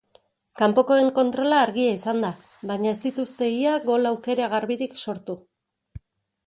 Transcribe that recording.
Kanpokoen kontrola argia izan da baina ez dituzte ia gol aukera garbirik sortu.